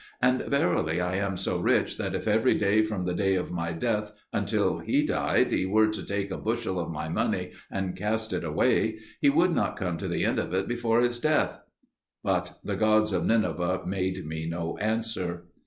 And verily I am so rich that if every day from the day of my death until he died he were to take a bushel of my money and cast it away, he would not come to the end of it before his death." But the gods of Nineveh made me no answer.